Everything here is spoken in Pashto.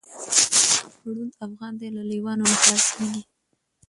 ړوند افغان دی له لېوانو نه خلاصیږي